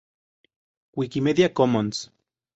Wikimedia Commons